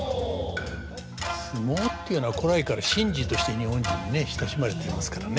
相撲っていうのは古来から神事として日本人にね親しまれてますからね。